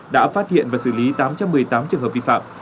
đã phát hiện và xử lý tám trăm một mươi tám trường hợp vi phạm